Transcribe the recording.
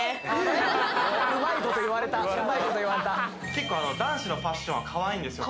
結構男子のファッションはかわいいんですよ